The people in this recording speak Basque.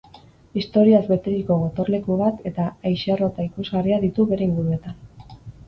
Historiaz beteriko gotorleku bat eta aixerrota ikusgarria ditu bere inguruetan.